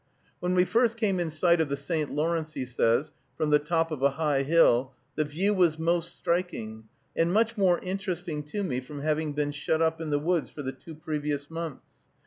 "When we first came in sight of the St. Lawrence," he says, "from the top of a high hill, the view was most striking, and much more interesting to me from having been shut up in the woods for the two previous months.